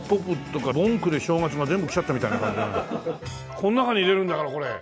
この中に入れるんだからこれ。